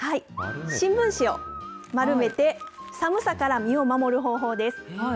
新聞紙を丸めて、寒さから身を守る方法です。